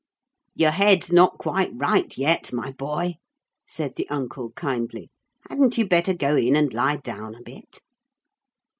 'Your head's not quite right yet, my boy,' said the uncle kindly. 'Hadn't you better go in and lie down a bit?'